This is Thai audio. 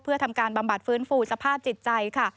เพื่อทำการบำบัดฟื้นฟูสภาพจิตใจค่ะ